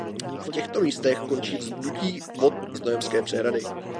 V těchto místech končí vzdutí vod znojemské přehrady.